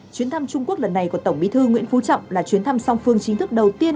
chuyến thăm trung quốc lần này của tổng bí thư nguyễn phú trọng là chuyến thăm song phương chính thức đầu tiên